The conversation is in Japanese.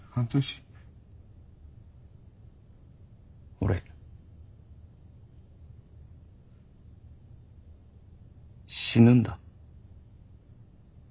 俺死ぬんだ。